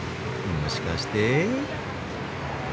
もしかして？